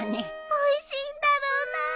おいしいんだろうなあ！